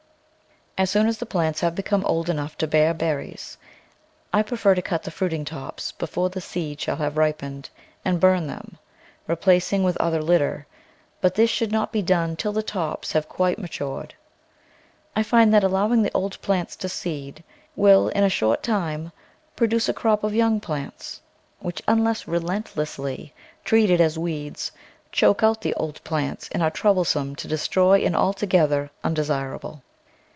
As soon as the plants have become old enough to bear berries I prefer to cut the fruiting tops before the seed shall have ripened and burn them, replacing with other litter; but this should not be done till the tops have quite matured. I find that allowing the old plants to seed will, in a short time, produce a crop of young plants which, unless re PERENNIAL VEGETABLES lentlessly treated as weeds, choke out the old plants, and are troublesome to destroy and altogether un desirable.